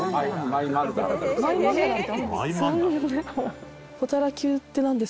マイ曼荼羅ってあるんですね。